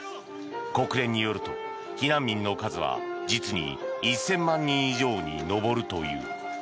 国連によると、避難民の数は実に１０００万人以上に上るという。